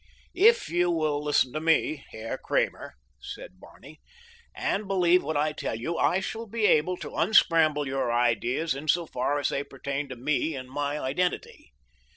"If you will listen to me, Herr Kramer," said Barney, "and believe what I tell you, I shall be able to unscramble your ideas in so far as they pertain to me and my identity.